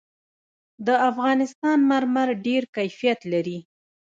د افغانستان مرمر ډېر کیفیت لري.